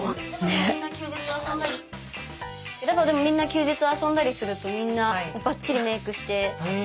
でもみんな休日遊んだりするとみんなバッチリメークして。